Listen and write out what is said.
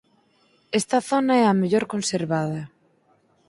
Esta zona é a mellor conservada.